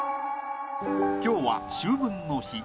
今日は秋分の日。